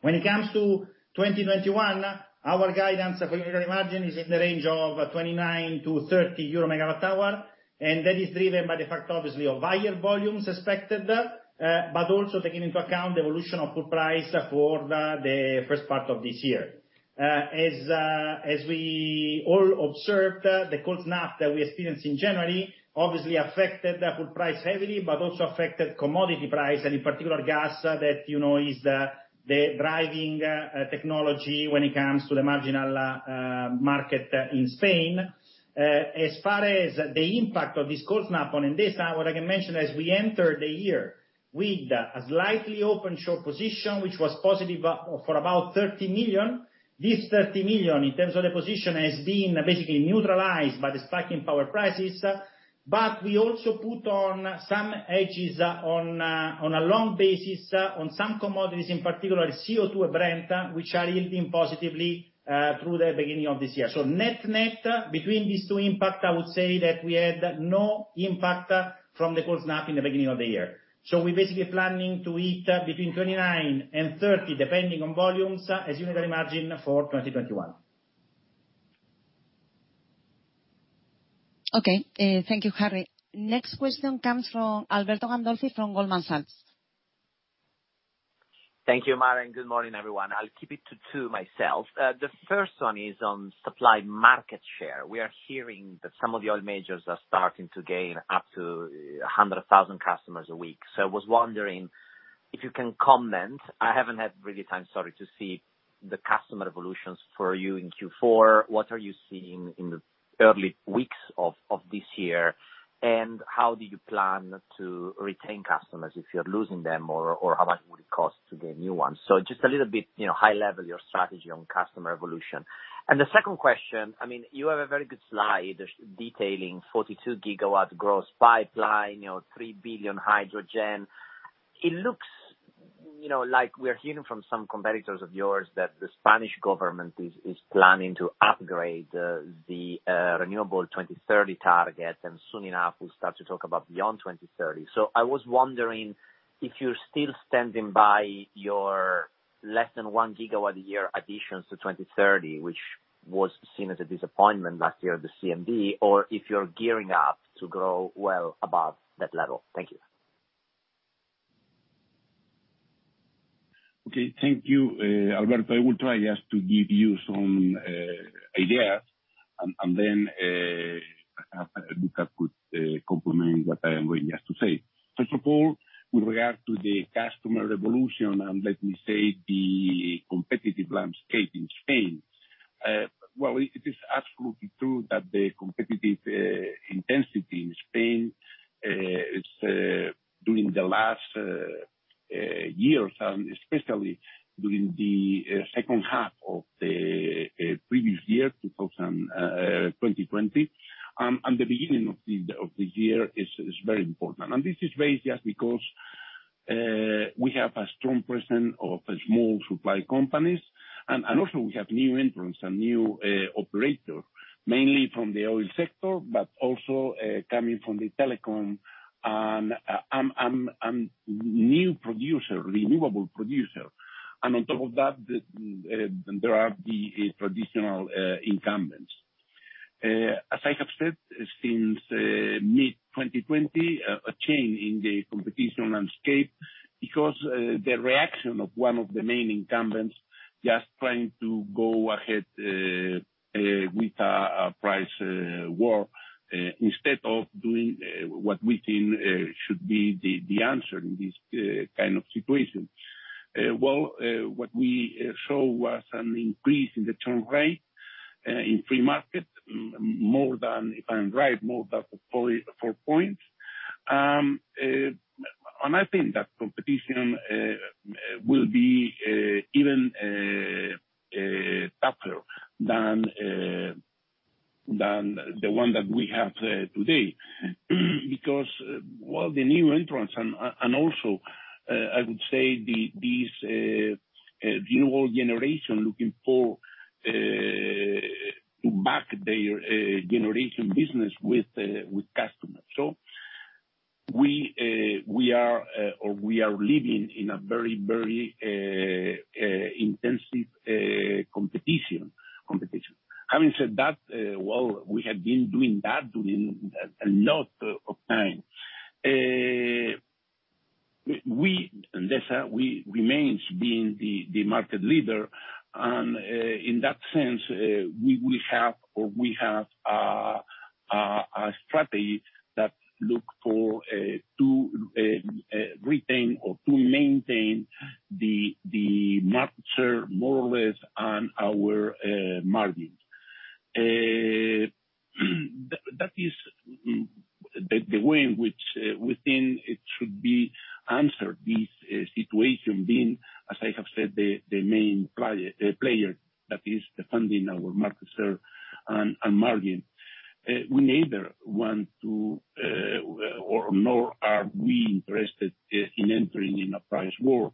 When it comes to 2021, our guidance for unitary margin is in the range of 29-30 euro per MWh, and that is driven by the fact, obviously, of higher volumes expected, but also taking into account the evolution of pool price for the first part of this year. As we all observed, the cold snap that we experienced in January obviously affected pool price heavily, but also affected commodity price, and in particular, gas that is the driving technology when it comes to the marginal market in Spain. As far as the impact of this cold snap on Endesa, what I can mention is we entered the year with a slightly open short position, which was positive for about 30 million. This 30 million, in terms of the position, has been basically neutralized by the spike in power prices, but we also put on some hedges on a long basis on some commodities, in particular, CO2 and Brent, which are yielding positively through the beginning of this year. So net-net between these two impacts, I would say that we had no impact from the cold snap in the beginning of the year. So we're basically planning to achieve between 29 and 30, depending on volumes, as unitary margin for 2021. Okay. Thank you, Harry. Next question comes from Alberto Gandolfi from Goldman Sachs. Thank you, Mar. And good morning, everyone. I'll keep it to two myself. The first one is on supply market share. We are hearing that some of the oil majors are starting to gain up to 100,000 customers a week. So I was wondering if you can comment. I haven't really had time, sorry, to see the customer evolutions for you in Q4. What are you seeing in the early weeks of this year? And how do you plan to retain customers if you're losing them, or how much would it cost to get new ones? So just a little bit high-level, your strategy on customer evolution. And the second question, I mean, you have a very good slide detailing 42 gigawatt gross pipeline, 3 billion hydrogen. It looks like we are hearing from some competitors of yours that the Spanish government is planning to upgrade the renewable 2030 target, and soon enough, we'll start to talk about beyond 2030. So I was wondering if you're still standing by your less than one gigawatt a year additions to 2030, which was seen as a disappointment last year at the CMD, or if you're gearing up to grow well above that level. Thank you. Okay. Thank you, Alberto. I will try just to give you some ideas, and then Luca could complement what I am going just to say. First of all, with regard to the customer evolution, and let me say the competitive landscape in Spain, well, it is absolutely true that the competitive intensity in Spain during the last years, and especially during the second half of the previous year, 2020, and the beginning of the year is very important. And this is very just because we have a strong presence of small supply companies, and also we have new entrants and new operators, mainly from the oil sector, but also coming from the telecom and new producer, renewable producer. And on top of that, there are the traditional incumbents. As I have said, since mid-2020, a change in the competition landscape because the reaction of one of the main incumbents just trying to go ahead with a price war instead of doing what we think should be the answer in this kind of situation. Well, what we saw was an increase in the churn rate in free market, more than, if I'm right, more than four points. I think that competition will be even tougher than the one that we have today because, well, the new entrants and also, I would say, this new generation looking forward to back their generation business with customers. So we are or we are living in a very, very intensive competition. Having said that, well, we have been doing that during a lot of time. Endesa remains being the market leader, and in that sense, we will have or we have a strategy that looks to retain or to maintain the market share more or less on our margins. That is the way in which we think it should be answered this situation being, as I have said, the main player that is defending our market share and margin. We neither want to or nor are we interested in entering in a price war.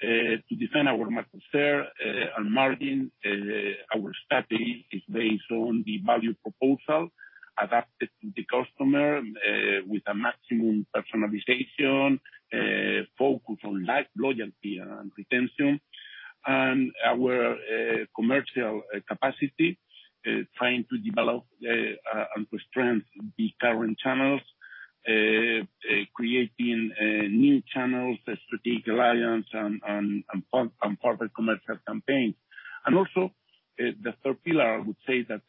To defend our market share and margin, our strategy is based on the value proposal adapted to the customer with a maximum personalization, focus on loyalty and retention, and our commercial capacity, trying to develop and to strengthen the current channels, creating new channels, strategic alliance, and further commercial campaigns and also the third pillar, I would say, that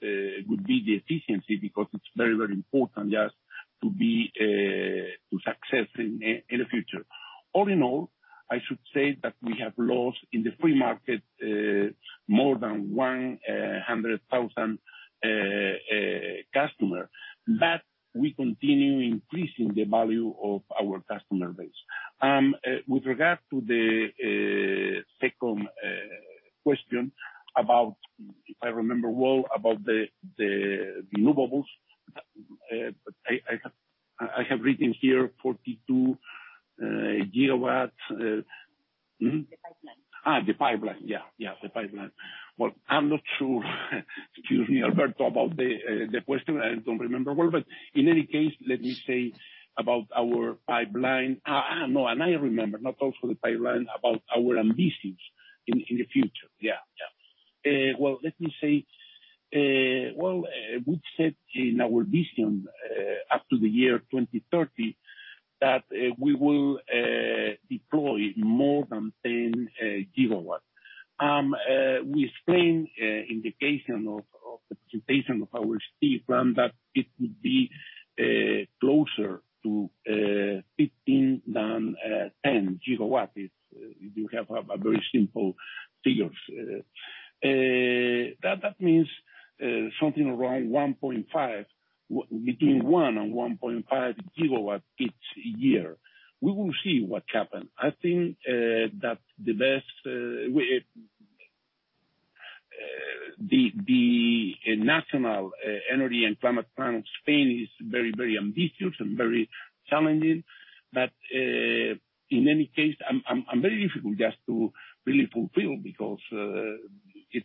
would be the efficiency because it's very, very important just to be successful in the future. All in all, I should say that we have lost in the free market more than 100,000 customers, but we continue increasing the value of our customer base. With regard to the second question, if I remember well, about the renewables, I have written here 42 GW. The pipeline. Yeah, yeah, the pipeline. I'm not sure. Excuse me, Alberto, about the question. I don't remember well, but in any case, let me say about our pipeline. No, and I remember, not also the pipeline, about our ambitions in the future. Yeah, yeah. Well, let me say, well, we said in our vision up to the year 2030 that we will deploy more than 10 GW. We explained in the case of the presentation of our STEEP plan that it would be closer to 15 than 10 GW. You have a very simple figure. That means something around 1.5, between 1 and 1.5 GW each year. We will see what happens. I think that the best the national energy and climate plan of Spain is very, very ambitious and very challenging, but in any case, I'm very difficult just to really fulfill because it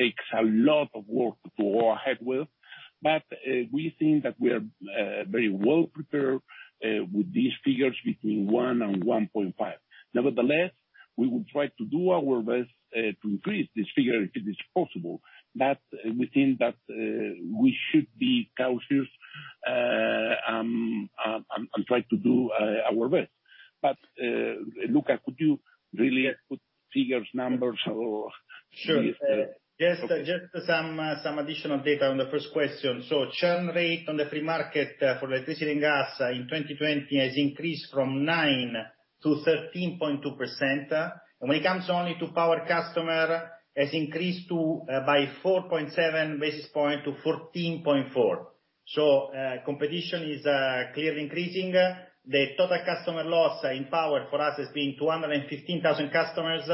takes a lot of work to go ahead with. But we think that we are very well prepared with these figures between one and 1.5. Nevertheless, we will try to do our best to increase this figure if it is possible, but we think that we should be cautious and try to do our best. But Luca, could you really put figures, numbers, or? Sure. Just some additional data on the first question. So churn rate on the free market for electricity and gas in 2020 has increased from 9%-13.2%. When it comes only to power customer, it has increased by 4.7 basis points to 14.4%. So competition is clearly increasing. The total customer loss in power for us has been 215,000 customers,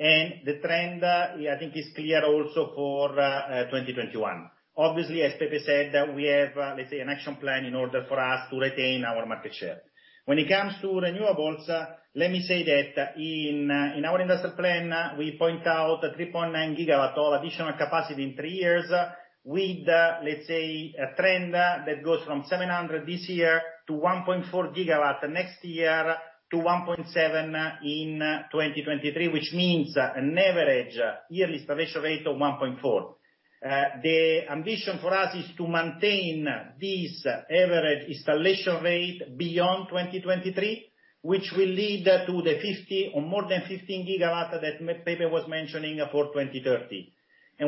and the trend, I think, is clear also for 2021. Obviously, as Pepe said, we have, let's say, an action plan in order for us to retain our market share. When it comes to renewables, let me say that in our industrial plan, we point out 3.9 GW of additional capacity in three years with, let's say, a trend that goes from 700 this year to 1.4 GW next year to 1.7 in 2023, which means an average yearly installation rate of 1.4. The ambition for us is to maintain this average installation rate beyond 2023, which will lead to the 5.0 or more than 15 GW that Pepe was mentioning for 2030,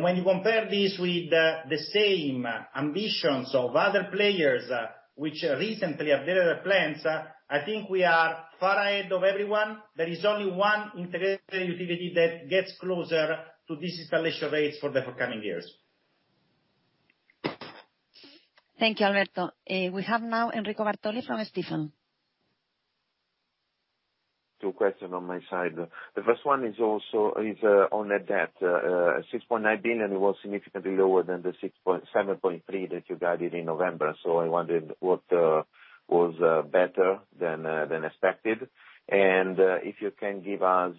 when you compare this with the same ambitions of other players which recently updated their plans. I think we are far ahead of everyone. There is only one integrated utility that gets closer to these installation rates for the forthcoming years. Thank you, Alberto. We have now Enrico Bartoli from Stifel. Two questions on my side. The first one is also on a debt. 6.9 billion was significantly lower than the 7.3 that you guided in November. So I wondered what was better than expected, and if you can give us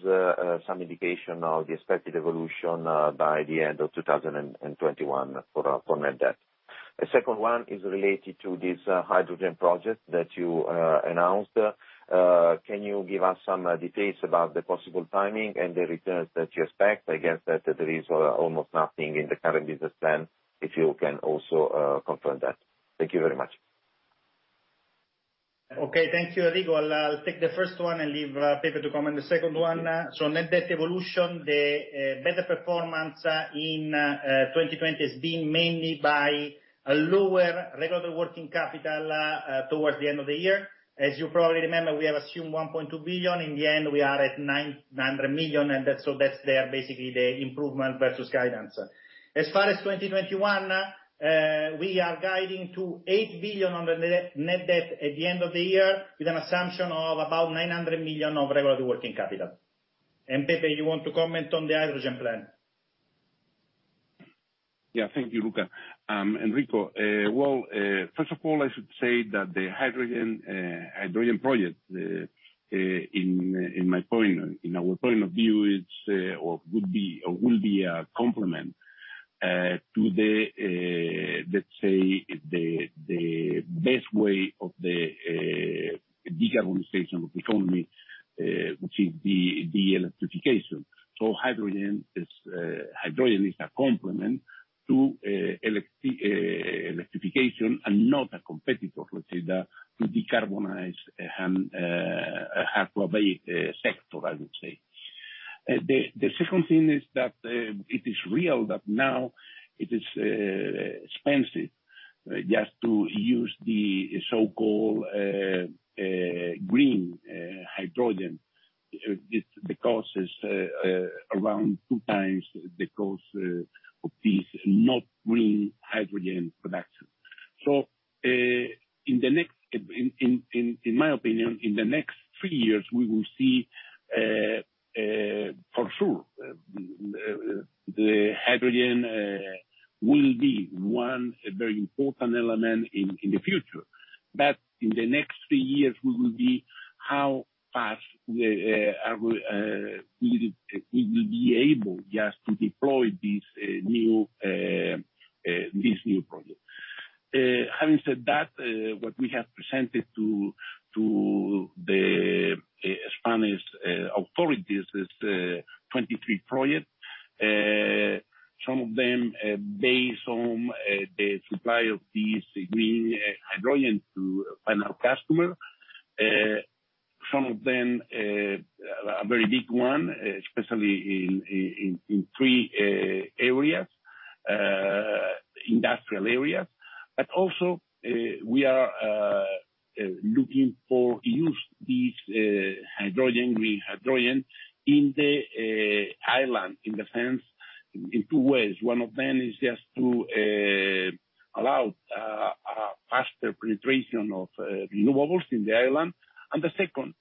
some indication of the expected evolution by the end of 2021 for net debt. The second one is related to this hydrogen project that you announced. Can you give us some details about the possible timing and the returns that you expect? I guess that there is almost nothing in the current business plan if you can also confirm that. Thank you very much. Okay. Thank you, Enrico. I'll take the first one and leave Pepe to comment on the second one. So net debt evolution, the better performance in 2020 has been mainly by a lower regular working capital towards the end of the year. As you probably remember, we have assumed 1.2 billion. In the end, we are at 900 million, and so that's there basically the improvement versus guidance. As far as 2021, we are guiding to 8 billion on the net debt at the end of the year with an assumption of about 900 million of regular working capital. And Pepe, you want to comment on the hydrogen plan? Yeah. Thank you, Luca. Enrico, well, first of all, I should say that the hydrogen project, in my opinion, in our point of view, it's or will be a complement to the, let's say, the best way of the decarbonization of the economy, which is the electrification. So hydrogen is a complement to electrification and not a competitor, let's say, to decarbonize the hard-to-abate sector, I would say. The second thing is that it is true that now it is expensive just to use the so-called green hydrogen. The cost is around two times the cost of this not green hydrogen production. In my opinion, in the next three years, we will see for sure the hydrogen will be one very important element in the future. In the next three years, we will see how fast we will be able just to deploy this new project. Having said that, what we have presented to the Spanish authorities is 23 projects. Some of them based on the supply of this green hydrogen to final customer. Some of them are very big one, especially in three areas, industrial areas. Also, we are looking to use this hydrogen, green hydrogen in the island in the sense in two ways. One of them is just to allow faster penetration of renewables in the island. The second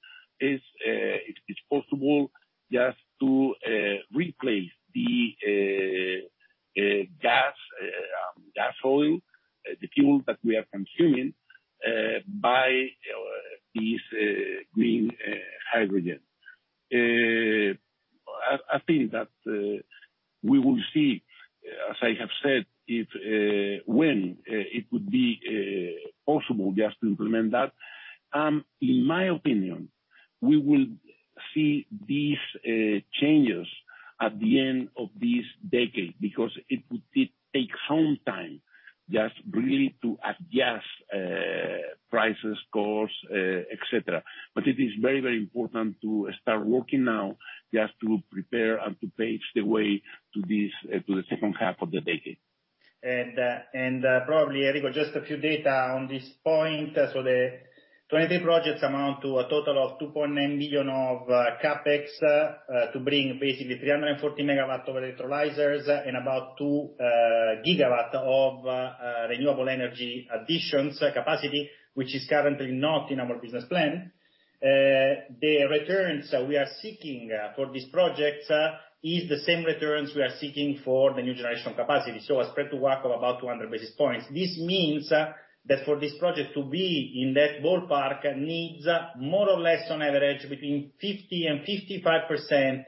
is the same returns we are seeking for the new generation capacity, so a spread to WACC of about 200 basis points. This means that for this project to be in that ballpark needs more or less on average between 50%-55%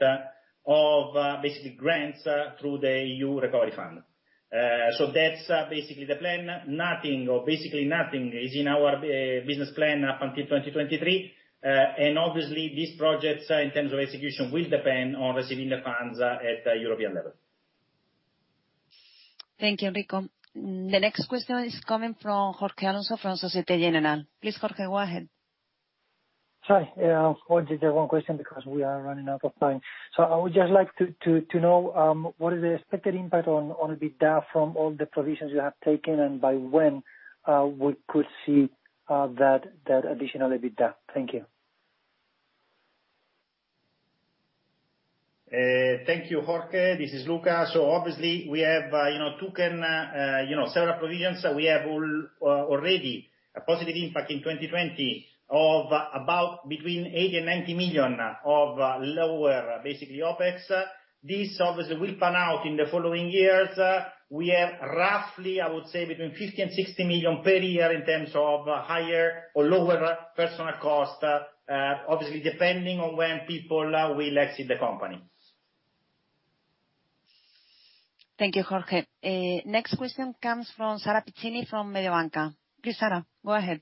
of basically grants through the EU Recovery Fund, so that's basically the plan. Nothing, or basically nothing, is in our business plan up until 2023, and obviously, these projects in terms of execution will depend on receiving the funds at the European level. Thank you, Enrico. The next question is coming from Jorge Alonso from Société Générale. Please, Jorge go ahead. Hi. I'm calling to take one question because we are running out of time. So I would just like to know what is the expected impact on EBITDA from all the provisions you have taken and by when we could see that additional EBITDA. Thank you. Thank you, Jorge. This is Luca. So obviously, we have taken several provisions. We have already a positive impact in 2020 of about between 80 and 90 million of lower basically OPEX. This obviously will pan out in the following years. We have roughly, I would say, between 50 and 60 million per year in terms of higher or lower personnel cost, obviously depending on when people will exit the company. Thank you, Jorge. Next question comes from Sara Piccinini from Mediobanca. Please, Sara. Go ahead.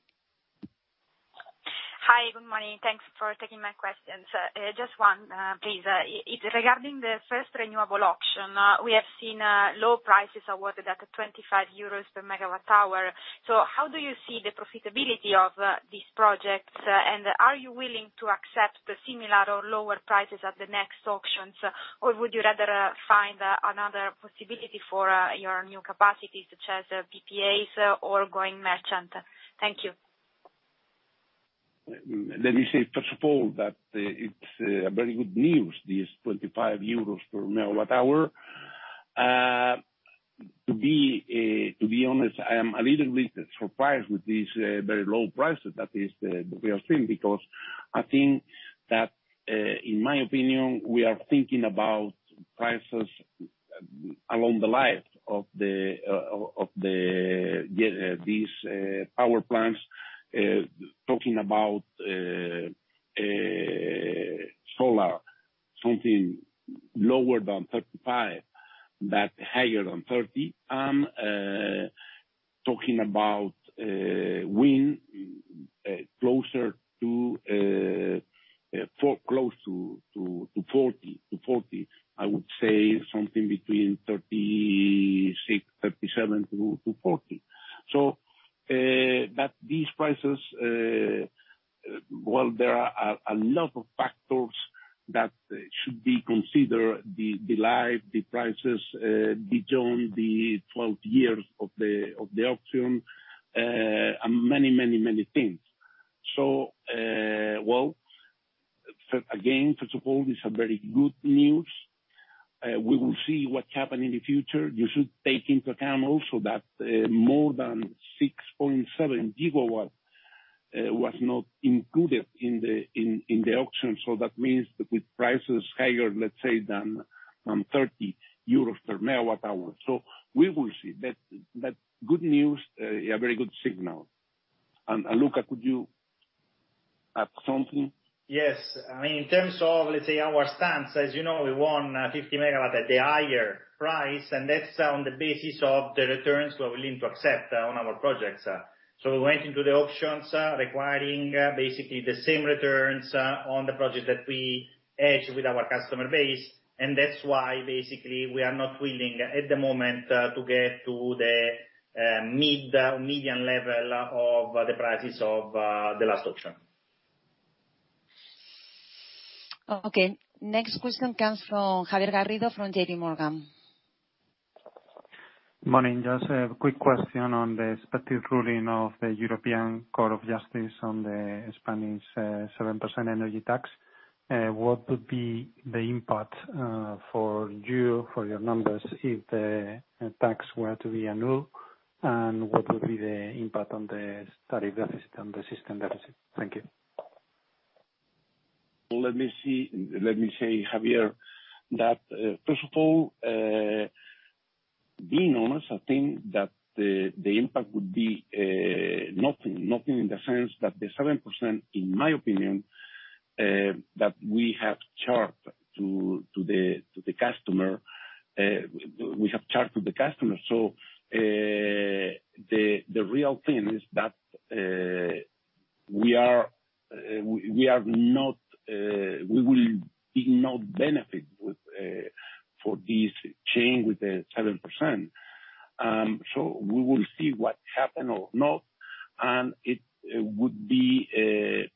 Hi. Good morning. Thanks for taking my questions. Just one, please. It's regarding the first renewable auction. We have seen low prices awarded at 25 euros per MWh. How do you see the profitability of these projects? And are you willing to accept similar or lower prices at the next auctions, or would you rather find another possibility for your new capacity, such as PPAs or going merchant? Thank you. Let me say, first of all, that it's very good news, this 25 euros per MWh. To be honest, I am a little bit surprised with these very low prices that we are seeing because I think that, in my opinion, we are thinking about prices along the life of these power plants, talking about solar, something lower than 35, but higher than 30, and talking about wind closer to 40, I would say something between 36, 37 to 40. But these prices, well, there are a lot of factors that should be considered: the life, the prices beyond the 12 years of the auction, and many, many, many things. So well, again, first of all, it's very good news. We will see what happened in the future. You should take into account also that more than 6.7 gigawatt was not included in the auction. So that means with prices higher, let's say, than 30 euros per MWh. So we will see. But good news, a very good signal. And Luca, could you add something? Yes. I mean, in terms of, let's say, our stance, as you know, we want 50 megawatt at the higher price, and that's on the basis of the returns we're willing to accept on our projects. So we went into the auctions requiring basically the same returns on the project that we hedge with our customer base. And that's why basically we are not willing at the moment to get to the mid or median level of the prices of the last auction. Okay. Next question comes from Javier Garrido from J.P. Morgan. Morning. Just a quick question on the expected ruling of the European Court of Justice on the Spanish 7% energy tax. What would be the impact for you, for your numbers, if the tax were to be annulled? And what would be the impact on the tariff deficit and the system deficit? Thank you. Let me say, Javier, that first of all, being honest, I think that the impact would be nothing, nothing in the sense that the 7%, in my opinion, that we have charged to the customer, we have charged to the customer. So the real thing is that we are not we will not benefit for this change with the 7%. So we will see what happened or not. And it would be,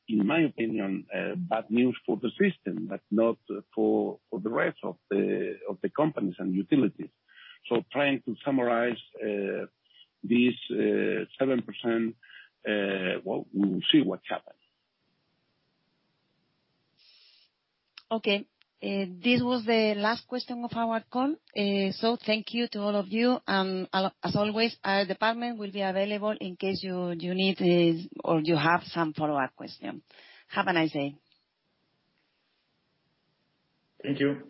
in my opinion, bad news for the system, but not for the rest of the companies and utilities. So trying to summarize this 7%, well, we will see what happens. Okay. This was the last question of our call. So thank you to all of you. And as always, our department will be available in case you need or you have some follow-up questions. Have a nice day. Thank you.